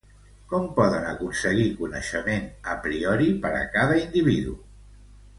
Com podem aconseguir coneixement a priori per a cada individu?